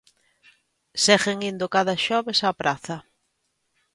Seguen indo cada xoves á praza.